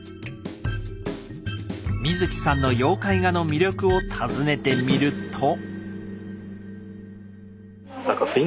水木さんの妖怪画の魅力を尋ねてみると。